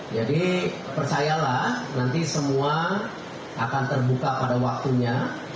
jadi percayalah nanti semua akan terbuka pada waktunya